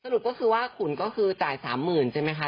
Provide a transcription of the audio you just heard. รุปก็คือว่าขุนก็คือจ่าย๓๐๐๐ใช่ไหมคะ